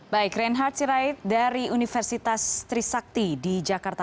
baik reinhard sirait dari universitas trisakti di jakarta